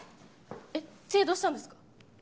えっ手どうしたんですか？